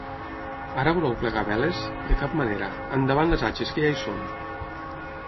Ara voleu plegar veles? De cap manera. Endavant les atxes, que ja hi som!